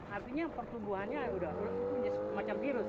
artinya pertumbuhannya sudah punya semacam virus